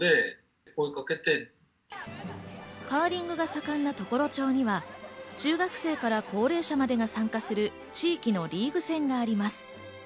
カーリングが盛んな常呂町には中学生から高齢者までが参加する地域のリーグ戦があります。